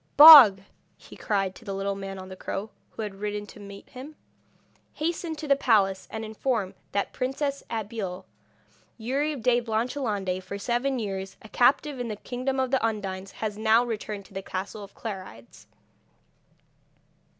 'Bog,' he cried, to the little man on the crow, who had ridden to meet him. 'Hasten to the palace and inform the Princess Abeille that Youri de Blanchelande, for seven years a captive in the kingdom of the Undines, has now returned to the castle of Clarides.'